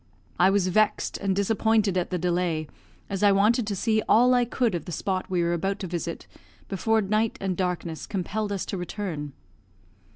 I was vexed and disappointed at the delay, as I wanted to see all I could of the spot we were about to visit before night and darkness compelled us to return.